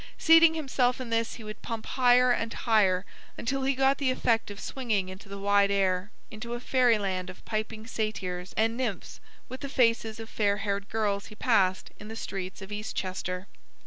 Seating himself in this he would pump higher and higher until he got the effect of swinging into the wide air, into a fairyland of piping satyrs and nymphs with the faces of fair haired girls he passed in the streets of Eastchester.